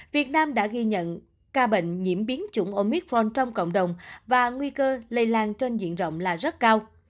việt nam đã ghi nhận ca bệnh nhiễm biến chủng omitforn trong cộng đồng và nguy cơ lây lan trên diện rộng là rất cao